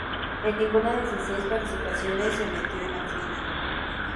En ninguna de sus seis participaciones se metió en la final.